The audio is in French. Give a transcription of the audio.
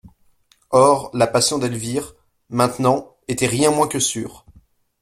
Or, la passion d'Elvire, maintenant, était rien moins que sûre.